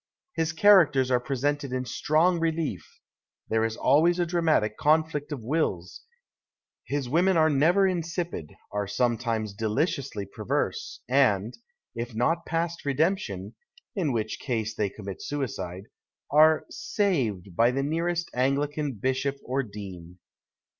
His characters arc presented in strong relief, there is always a dramatic conflict of wills, his women arc never insipid, are sometimes delieiously perverse, and, if not past redemption (in which case they commit suicide), are " saved " by the nearest Anglican bishop or dean.